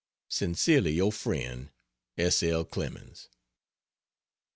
Sincerely your friend S. L. CLEMENS.